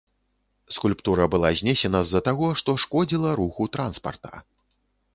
Скульптура была знесена з-за таго, што шкодзіла руху транспарта.